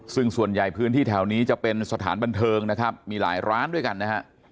ซึ่งส่วนใหญ่พื้นที่แถวนี้จะเป็นสถานบันเทิงนะครับมีหลายร้านด้วยกันนะฮะ